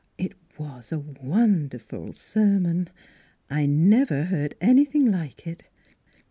" It was a won derful sermon; I never heard anything like it."